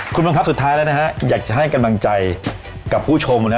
คุณบังคับสุดท้ายแล้วนะฮะอยากจะให้กำลังใจกับผู้ชมนะฮะ